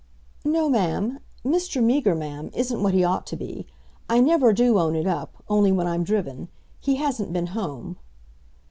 "No, Ma'am. Mr. Meager, Ma'am, isn't what he ought to be. I never do own it up, only when I'm driven. He hasn't been home."